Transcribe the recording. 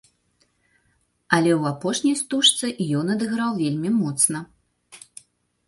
Але ў апошняй стужцы ён адыграў вельмі моцна.